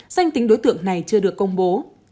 danh tính đối tượng này chưa được công bố